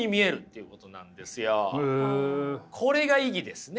これが意義ですね。